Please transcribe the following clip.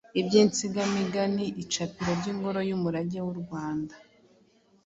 by’Insigamigani, Icapiro ry’Ingoro y’Umurage w’u Rwanda,